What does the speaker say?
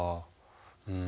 うん。